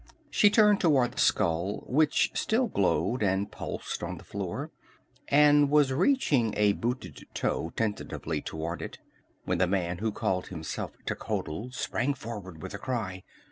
She turned toward the skull, which still glowed and pulsed on the floor, and was reaching a booted toe tentatively toward it, when the man who called himself Techotl sprang forward with a cry.